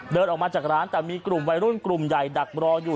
เดินออกมาจากร้านแต่มีกลุ่มวัยรุ่นกลุ่มใหญ่ดักรออยู่